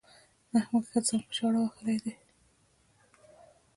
احمد ښه سم ځان په چاړه وهلی دی.